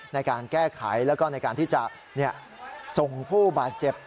ในการแก้ไขแล้วก็ในการที่จะส่งผู้บาดเจ็บ